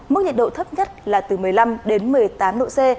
mức nhiệt độ thấp nhất là từ một mươi năm đến một mươi tám độ c